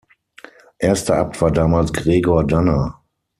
Erster Abt war damals Gregor Danner.